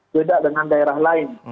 beda dengan daerah lain